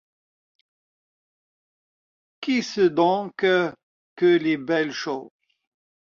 Qu'est-ce donc que les belles choses